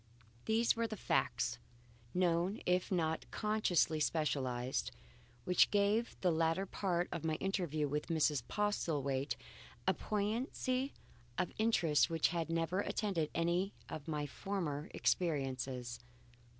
These were the facts, known if not consciously specialized, which gave to the latter part of my interview with Mrs. Postlethwaite a poignancy of interest which had never attended any of my former experiences.